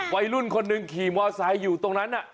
วัยรุ่นคนหนึ่งขี่มอไซค์อยู่ตรงนั้น